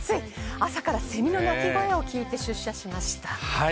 朝からセミの鳴き声を聞いて出社しました。